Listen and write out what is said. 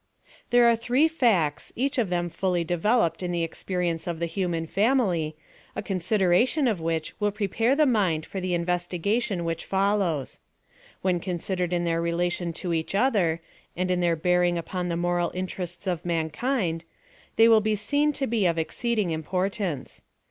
There are three facts, each of them fully devel oped in the experience of the human family, a con sideration of which will prepare the mind for the investigation which follows. When considered in their relation to each other, and in their beaiing upon the moral interests of mankind, they will be seen to be of exceeding importance.